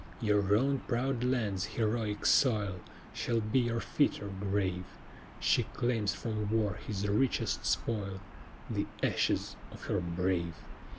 Your own proud land's heroic soil Shall be your fitter grave; She claims from war his richest spoil The ashes of her brave.